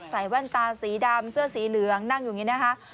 แว่นตาสีดำเสื้อสีเหลืองนั่งอยู่อย่างนี้นะคะ